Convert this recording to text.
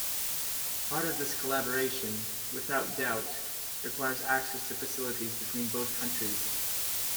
Part of this collaboration, without doubt, requires access to facilities between both countries.